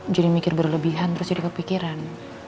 jadi mikir berlebihan terus jadi kepikiran